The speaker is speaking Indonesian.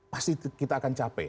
pasti kita akan capek